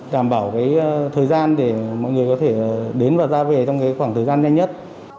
đảm bảo thời gian để mọi người có thể đến và ra về trong khoảng thời gian nhanh nhất